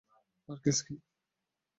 আরে কেস কি?